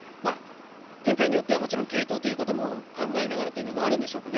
展開によっては、もちろん継投ということも考えながらということもあるんでしょうか。